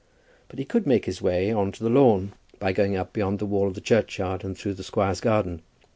But he could make his way on to the lawn by going up beyond the wall of the churchyard and through the squire's garden.